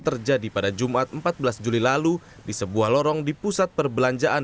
terjadi pada jumat empat belas juli lalu di sebuah lorong di pusat perbelanjaan